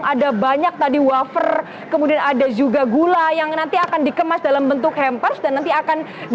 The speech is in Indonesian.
ada banyak tadi wafer kemudian ada juga gula yang nanti akan dikemas dalam bentuk hampers dan nanti akan